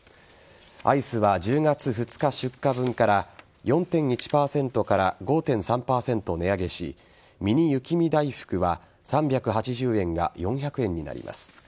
アイスは１０月２日出荷分から４．１％から５．３％値上げしミニ雪見だいふくは３８０円が４００円になります。